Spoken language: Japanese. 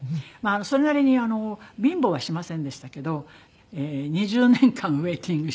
それなりに貧乏はしませんでしたけど２０年間ウェイティングして。